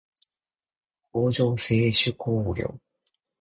工場制手工業